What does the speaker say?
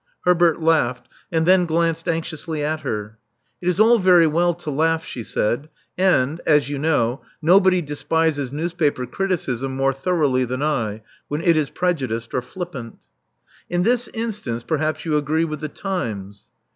Herbert laughed, and then glanced anxiously at her. It is all very well to laugh," she said, — and, as you know, nobody despises newspaper criticism more thoroughly than I, when it is prejudiced or flippant." In this instance, perhaps you agree with the Times.''